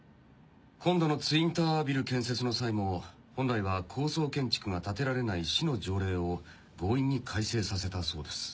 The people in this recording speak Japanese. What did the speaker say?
今度のツインタワービル建設の際も本来は高層建築が建てられない市の条例を強引に改正させたそうです。